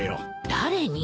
誰に？